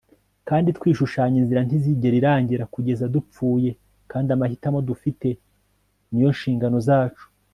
kandi twishushanya inzira ntizigera irangira kugeza dupfuye kandi amahitamo dufite ni yo nshingano zacu